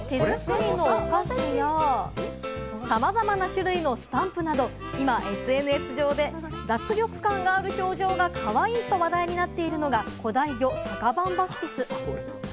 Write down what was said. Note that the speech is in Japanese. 手作りのお菓子や、さまざまな種類のスタンプなど、今ＳＮＳ上で脱力感がある表情がかわいいと話題になっているのが、古代魚・サカバンバスピス。